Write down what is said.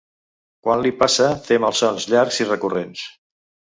Quan li passa té malsons llargs i recurrents.